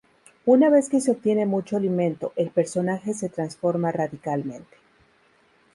Una vez que se obtiene mucho alimento, el personaje se transforma radicalmente.